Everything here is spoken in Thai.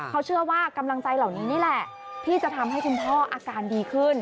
เขาเชื่อว่ากำลังใจเหล่านี้นี่แหละที่จะทำให้คุณพ่ออาการดีขึ้น